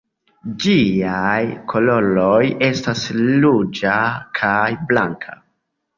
Ĝiaj koloroj estas ruĝa kaj blanka.